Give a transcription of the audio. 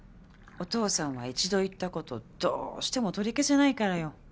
お父さんは一度言ったことどうしても取り消せないからよ。